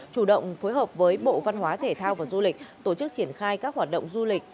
chủ động phối hợp với bộ văn hóa thể thao và du lịch tổ chức triển khai các hoạt động du lịch